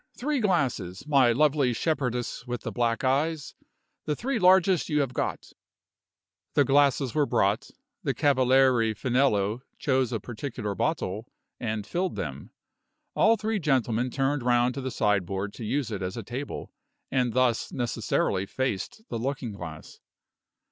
three glasses, my lovely shepherdess with the black eyes the three largest you have got." The glasses were brought; the Cavaliere Finello chose a particular bottle, and filled them. All three gentlemen turned round to the sideboard to use it as a table, and thus necessarily faced the looking glass.